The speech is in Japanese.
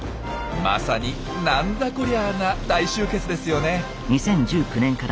まさに「なんだこりゃ！！」な大集結ですよね。